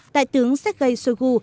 đại tướng sergei shoigu